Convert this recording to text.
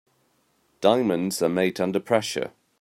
Diamonds are made under pressure.